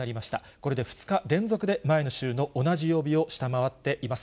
これで２日連続で前の週の同じ曜日を下回っています。